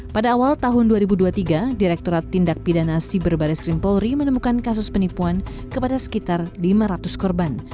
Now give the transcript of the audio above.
pada awal tahun dua ribu dua puluh tiga direkturat tindak pidana siber baris krim polri menemukan kasus penipuan kepada sekitar lima ratus korban